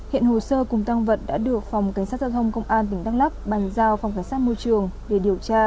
hiện hồ sơ cùng tăng vật đã được phòng cảnh sát giao thông công an tỉnh đắk lắk bành giao phòng cảnh sát môi trường để điều tra theo thẩm quyền